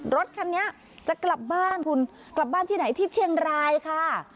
รถคันนี้จะกลับบ้านที่ไหนที่เชียงรายค่ะ